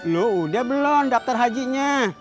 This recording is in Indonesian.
loh udah belum daftar hajinya